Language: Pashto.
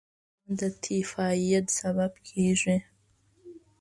مچان د تيفايد سبب کېږي